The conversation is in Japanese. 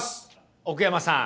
奥山さん